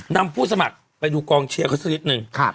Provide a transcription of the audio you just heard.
ผู้สมัครไปดูกองเชียร์เขาสักนิดนึง